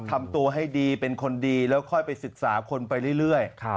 ทำตัวให้ดีเป็นคนดีแล้วค่อยไปศึกษาคนไปเรื่อย